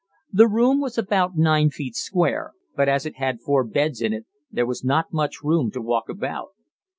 The room was about 9 feet square, but as it had four beds in it, there was not much room to walk about.